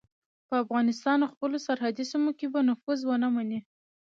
په افغانستان او خپلو سرحدي سیمو کې به نفوذ ونه مني.